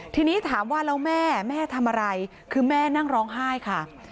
ทีนี้ถามว่าแล้วแม่แม่ทำอะไรคือแม่นั่งร้องไห้ค่ะ